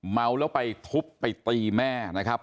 เมาแล้วไปทุบไปตีแม่นะครับ